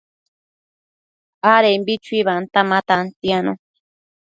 adembi chuibanta ma tantianu